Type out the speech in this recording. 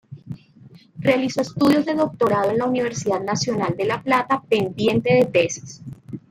Realizó estudios de doctorado en la Universidad Nacional de La Plata, pendiente de tesis.